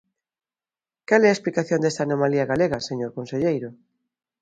¿Cal é a explicación desta anomalía galega, señor conselleiro?